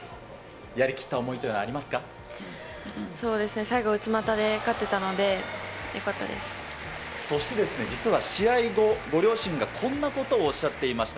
やりきった思いというのはあそうですね、最後、内股で勝そして、実は試合後、ご両親がこんなことをおっしゃっていました。